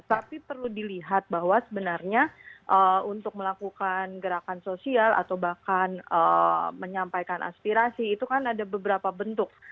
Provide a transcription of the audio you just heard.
tapi perlu dilihat bahwa sebenarnya untuk melakukan gerakan sosial atau bahkan menyampaikan aspirasi itu kan ada beberapa bentuk